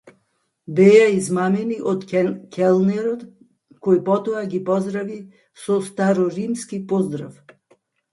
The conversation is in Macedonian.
Беа измамени од келнерот, кој потоа ги поздрави со староримски поздрав.